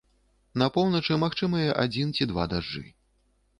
На поўначы магчымыя адзін ці два дажджы.